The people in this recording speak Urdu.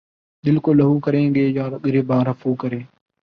دل کو لہو کریں یا گریباں رفو کریں